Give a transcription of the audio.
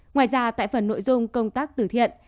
ngoài ra tại phần nội dung công tác tử thiện